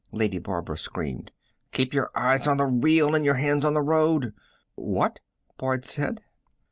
Lady Barbara screamed: "Keep your eyes on the wheel and your hands on the road!" "What?" Boyd said.